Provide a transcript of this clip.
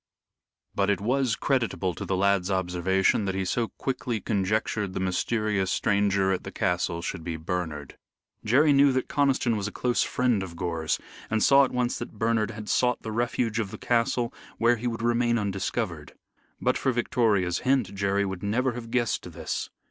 But it was creditable to the lad's observation that he so quickly conjectured the mysterious stranger at the castle should be Bernard. Jerry knew that Conniston was a close friend of Gore's, and saw at once that Bernard had sought the refuge of the castle where he would remain undiscovered. But for Victoria's hint Jerry would never have guessed this.